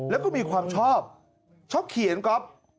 แล้วก็มีความชอบชอบเขียนก๊อฟ